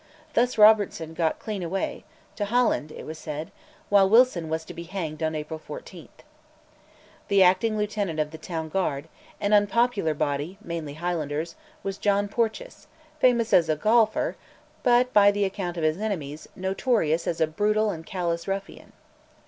Thus Robertson got clean away to Holland, it was said, while Wilson was to be hanged on April 14. The acting lieutenant of the Town Guard an unpopular body, mainly Highlanders was John Porteous, famous as a golfer, but, by the account of his enemies, notorious as a brutal and callous ruffian.